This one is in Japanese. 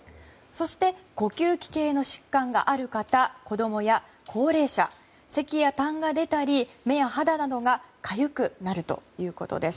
そして、呼吸器系の疾患がある方子供や高齢者せきやたんが出たり目や肌などがかゆくなるということです。